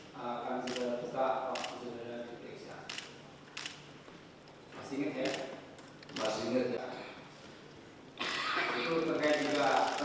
bapak ibu kami sudah buka posisi dan diperiksa